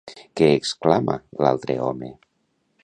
Què exclama l'altre home?